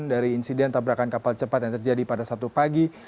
dari insiden tabrakan kapal cepat yang terjadi pada sabtu pagi